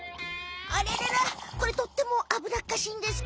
あらららこれとってもあぶなっかしいんですけど！